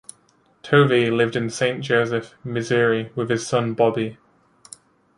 Tovey lived in Saint Joseph, Missouri, with his son Bobby.